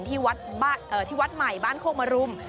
ที่วัดใหม่บ้านโคกมรุม